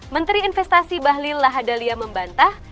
menteri investasi bahlil lahadalia membantah